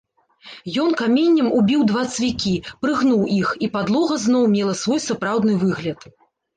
Ён каменем убіў два цвікі, прыгнуў іх, і падлога зноў мела свой сапраўдны выгляд.